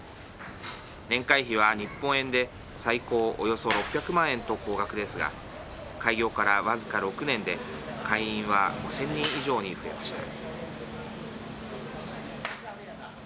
年会費は日本円で最高およそ６００万円と高額ですが開業から僅か６年で会員は５０００人以上に増えました。